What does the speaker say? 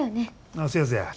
ああせやせや。